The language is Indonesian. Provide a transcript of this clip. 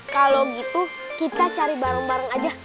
kalau gitu kita cari bareng bareng aja